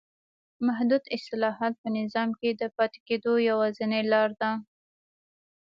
محدود اصلاحات په نظام کې د پاتې کېدو یوازینۍ لار ده.